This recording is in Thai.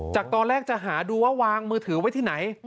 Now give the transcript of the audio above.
จากตอนแรกจะหาดูว่าวางมือถือไว้ที่ไหน